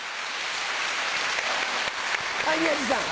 はい宮治さん。